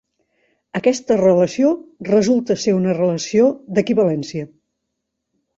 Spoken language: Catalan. Aquesta relació resulta ser una relació d'equivalència.